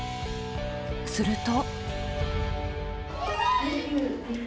すると。